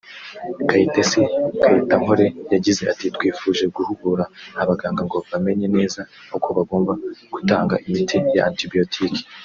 Kayitesi Kayitenkore yagize ati″Twifuje guhugura abaganga ngo bamenye neza uko bagomba gutanga imiti ya antibiotic